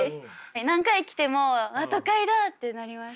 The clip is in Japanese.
何回来ても「都会だ」ってなります。